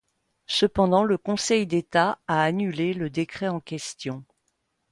Cependant, le le Conseil d’État a annulé le décret en question.